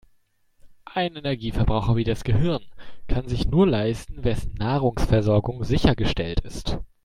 Einen Energieverbraucher wie das Gehirn kann sich nur leisten, wessen Nahrungsversorgung sichergestellt ist.